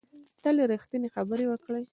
تل ریښتینې خبرې وکړه